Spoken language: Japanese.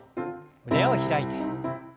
胸を開いて。